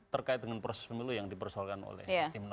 terkait dengan proses pemilu yang dipersoalkan oleh tim nasional